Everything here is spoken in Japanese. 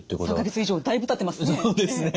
３か月以上だいぶたってますね。